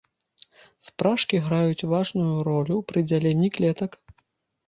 Спражкі граюць важную ролю пры дзяленні клетак.